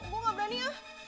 gue gak berani ya